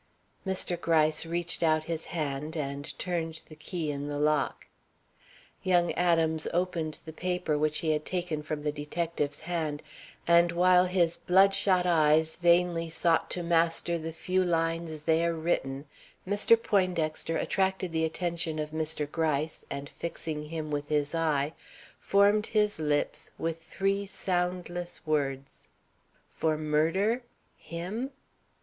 Mr. Gryce reached out his hand, and turned the key in the lock. Young Adams opened the paper which he had taken from the detective's hand, and while his blood shot eyes vainly sought to master the few lines there written, Mr. Poindexter attracted the attention of Mr. Gryce, and, fixing him with his eye, formed his lips with three soundless words: "For murder? Him?"